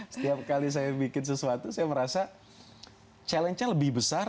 setiap kali saya bikin sesuatu saya merasa challenge nya lebih besar